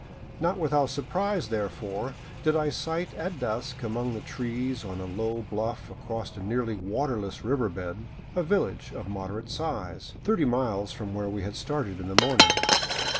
Not without surprise, therefore, did I sight at dusk, among the trees on a low bluff across a nearly waterless river bed, a village of moderate size, thirty miles from where we had started in the morning.